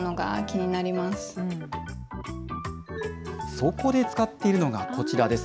そこで使っているのがこちらです。